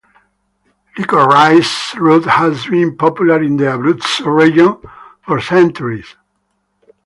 Licorice root has been popular in the Abruzzo region for centuries.